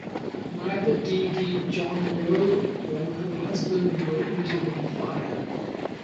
Neither DeeDee Jonrowe or her husband were injured in the fire.